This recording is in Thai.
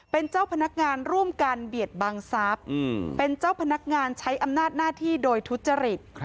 เป็นเจ้าพนักงานร่วมกันเบียดบังทรัพย์เป็นเจ้าพนักงานใช้อำนาจหน้าที่โดยทุจริต